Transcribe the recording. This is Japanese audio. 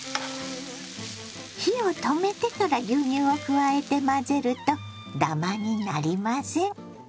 火を止めてから牛乳を加えて混ぜるとダマになりません。